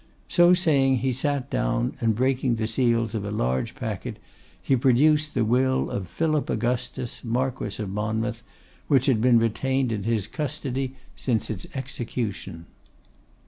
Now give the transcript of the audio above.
So saying, he sat down, and breaking the seals of a large packet, he produced the will of Philip Augustus, Marquess of Monmouth, which had been retained in his custody since its execution.